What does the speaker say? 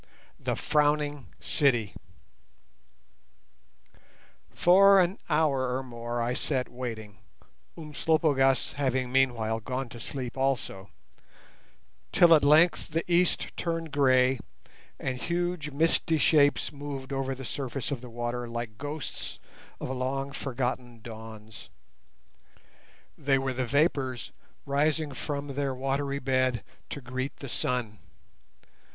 THE FROWNING CITY For an hour or more I sat waiting (Umslopogaas having meanwhile gone to sleep also) till at length the east turned grey, and huge misty shapes moved over the surface of the water like ghosts of long forgotten dawns. They were the vapours rising from their watery bed to greet the sun.